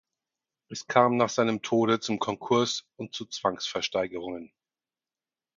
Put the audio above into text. Es kam nach seinem Tode zum Konkurs und zu Zwangsversteigerungen.